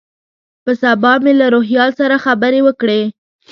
په سبا مې له روهیال سره خبرې وکړې.